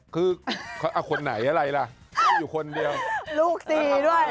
คือคนไหนอะไรล่ะอยู่คนเดียวลูกสี่ด้วย